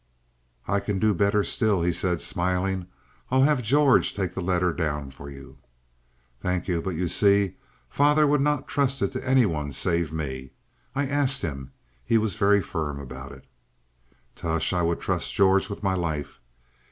"I can do better still," he said, smiling. "I'll have George take the letter down for you." "Thank you. But you see, father would not trust it to anyone save me. I asked him; he was very firm about it." "Tush! I would trust George with my life."